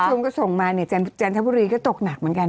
คุณผู้ชมก็ส่งมาเนี่ยจันทบุรีก็ตกหนักเหมือนกัน